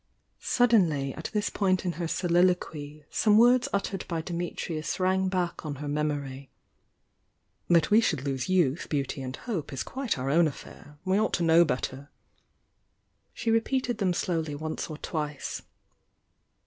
Suddenly at this point in her soliloquy some words uttered by Dimitrius rang back on her memory: "That we should lose youth, beauty and hope is quite our own affair. We ought to know better." She repeated them slowly once or twice.